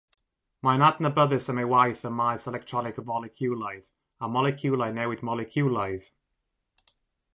Mae'n adnabyddus am ei waith ym maes electroneg foleciwlaidd a moleciwlau newid moleciwlaidd.